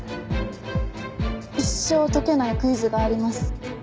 一生解けないクイズがあります。